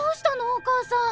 お母さん！